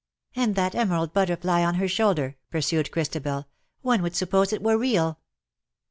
" And that emerald butterfly on her shoulder," pursued Christabel ;" one would suppose it were real."